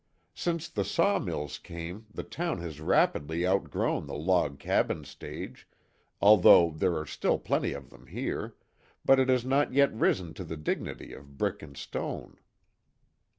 Since the sawmills came the town has rapidly outgrown the log cabin stage, although there are still plenty of them here, but it has not yet risen to the dignity of brick and stone."